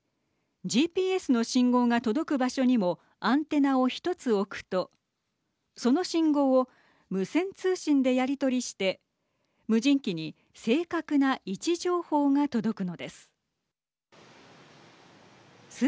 ＧＰＳの信号が届く場所にもアンテナを１つ置くとその信号を無線通信でやり取りして無人機に正確な位置情報が届くのです。